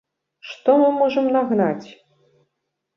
Што мы можам нагнаць?